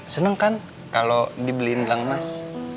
seneng kan kalau dibeliin belang emas